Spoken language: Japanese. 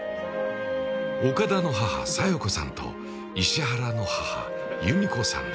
岡田の母・佐代子さんと石原の母・弓子さんだ。